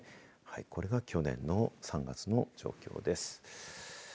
これが去年の３月の状況です。